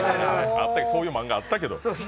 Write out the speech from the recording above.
そういう漫画あったけど。